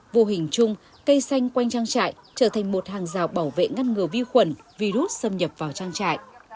vô hình chung cây xanh quanh trang trại trở thành một hàng rào bảo vệ ngăn ngừa vi khuẩn virus xâm nhập vào trang trại